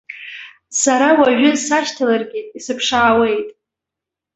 Сара уажәы сашьҭаларгьы исыԥшаауеит!